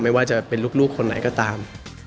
ไม่ว่าจะเป็นลูกคนไหนก็ตาม